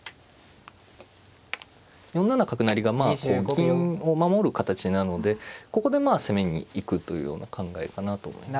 ４七角成が銀を守る形なのでここで攻めに行くというような考えかなと思います。